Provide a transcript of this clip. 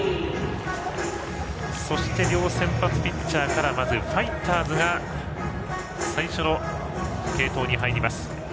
そして、両先発ピッチャーからまずファイターズが最初の継投に入ります。